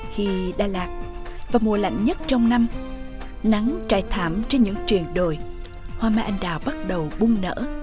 khi đà lạt vào mùa lạnh nhất trong năm nắng trải thảm trên những truyền đồi hoa mai anh đào bắt đầu bung nở